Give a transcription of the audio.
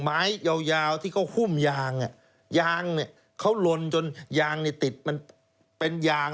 เขาหุ้มยางยางเขาลนจนยางติดเป็นยาง